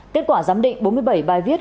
kết quả giám định bốn mươi bảy bài viết